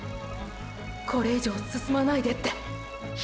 これ以上進まないでって。